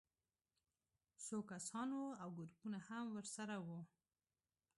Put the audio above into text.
څو کسان وو او ګروپونه هم ورسره وو